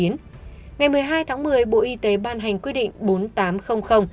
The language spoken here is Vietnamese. ngày một mươi hai tháng một mươi bộ y tế ban hành quyết định bốn nghìn tám trăm linh